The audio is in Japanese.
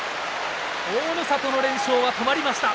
大の里の連勝は止まりました。